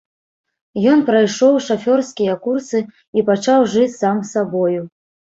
Ён прайшоў шафёрскія курсы і пачаў жыць сам сабою.